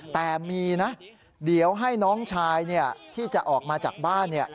แต่มีนะเดี๋ยวให้น้องชายที่จะออกมาจากบ้าน